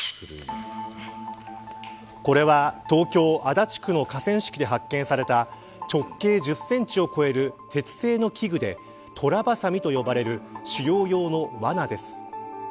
これは東京・足立区の河川敷で発見された直径１０センチを超える鉄製の器具でトラバサミと呼ばれる狩猟用のわなです。